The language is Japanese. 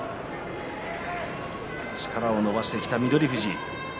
力を伸ばしてきた翠富士。